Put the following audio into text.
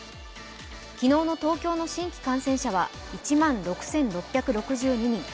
昨日の東京の新規感染者は１万６６６２人。